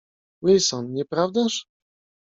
"Wilson, nie prawdaż?"